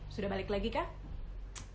sudah balik lagi kah